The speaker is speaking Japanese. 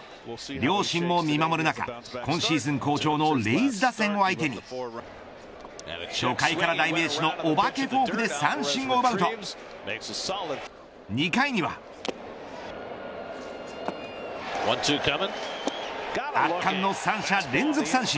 両親も見守る中今シーズン好調のレイズ打線を相手に初回から、代名詞のお化けフォークで三振を奪うと２回には圧巻の三者連続三振。